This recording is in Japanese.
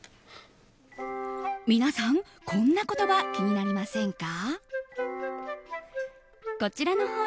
皆さん、こんな言葉気になりませんか？